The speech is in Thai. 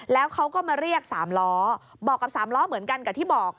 แล้วเขาก็มาเรียก๓ล้อบอกกับ๓ล้อเหมือนกันกับที่บอก